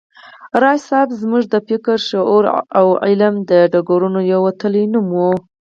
راز صيب زموږ د فکر، شعور او علم د ډګرونو یو وتلی نوم و